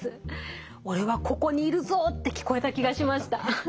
「俺はここにいるぞ」って聞こえた気がしました。